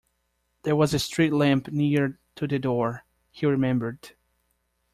There was a street lamp near to the door, he remembered.